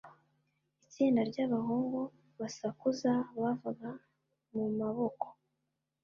Itsinda ryabahungu basakuza bavaga mumaboko.